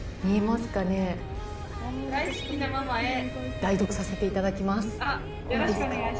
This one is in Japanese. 代読させていただきます。